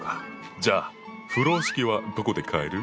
じゃあ風呂敷はどこで買える？